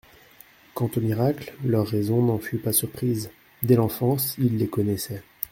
Quant aux miracles, leur raison n'en fut pas surprise ; dès l'enfance, ils les connaissaient.